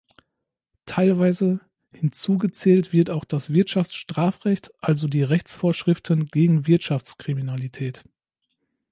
Teilweise hinzugezählt wird auch das Wirtschaftsstrafrecht, also die Rechtsvorschriften gegen Wirtschaftskriminalität.